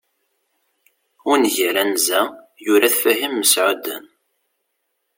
ungal anza, yura-t Fahim Meɛudan